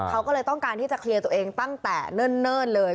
เขาก็เลยต้องการที่จะเคลียร์ตัวเองตั้งแต่เนิ่นเลย